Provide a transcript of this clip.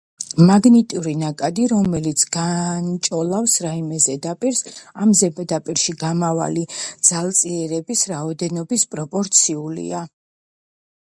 მაგნიტური ნაკადი რომელიც განჭოლავს რაიმე ზედაპირს, ამ ზედაპირში გამავალი ძალწირების რაოდენობის პროპორციულია.